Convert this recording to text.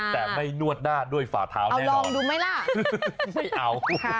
แต่ไม่นวดหน้าด้วยฝ่าเท้าแน่ลองดูไหมล่ะไม่เอา